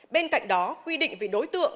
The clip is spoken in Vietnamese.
bên cạnh đó quy định về đối tượng